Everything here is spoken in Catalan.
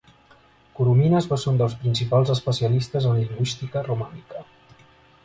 Coromines va ser un dels principals especialistes en lingüística romànica.